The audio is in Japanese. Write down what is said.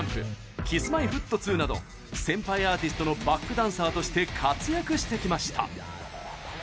ＪＵＭＰＫｉｓ‐Ｍｙ‐Ｆｔ２など先輩アーティストのバックダンサーとして活躍してきました。